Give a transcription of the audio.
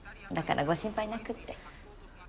だからご心配なくって。